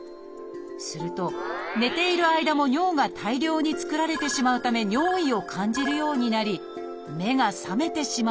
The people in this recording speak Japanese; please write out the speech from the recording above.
すると寝ている間も尿が大量に作られてしまうため尿意を感じるようになり目が覚めてしまうのです。